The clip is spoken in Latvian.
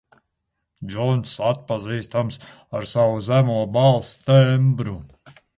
Džonss atpazīstams ar savu zemo balss tembru.